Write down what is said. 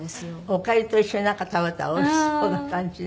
おかゆと一緒になんか食べたらおいしそうな感じね。